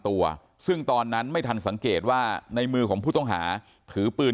ตัวซึ่งตอนนั้นไม่ทันสังเกตว่าในมือของผู้ต้องหาถือปืน